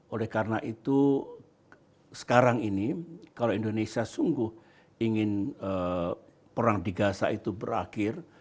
oleh karena itu sekarang ini kalau indonesia sungguh ingin perang di gaza itu berakhir